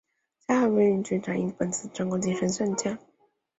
夏威军长因本次战功晋升上将。